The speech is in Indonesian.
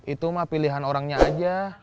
itu mah pilihan orangnya aja